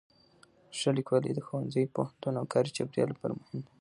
ښه لیکوالی د ښوونځي، پوهنتون او کاري چاپېریال لپاره ډېر مهم دی.